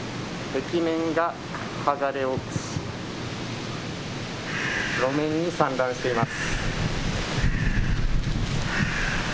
壁面が剥がれ落ち、路面に散乱しています。